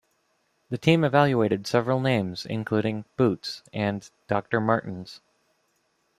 The team evaluated several names, including "Boots" and "Doctor Martens".